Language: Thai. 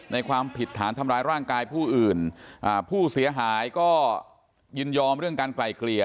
ความผิดฐานทำร้ายร่างกายผู้อื่นอ่าผู้เสียหายก็ยินยอมเรื่องการไกลเกลี่ย